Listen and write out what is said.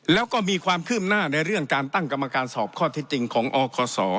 แล้วก็มีความคืบหน้าในเรื่องการตั้งกรรมการสอบข้อเท็จจริงของอคศ